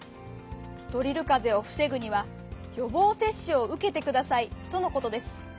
ドリルかぜをふせぐにはよぼうせっしゅをうけてくださいとのことです。